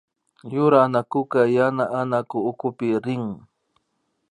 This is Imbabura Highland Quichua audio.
Yura anakuka yana anaku ukupi rin